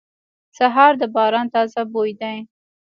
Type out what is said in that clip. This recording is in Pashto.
سهار د باران تازه بوی دی.